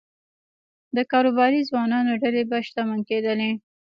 د کاروباري ځوانانو ډلې به شتمن کېدلې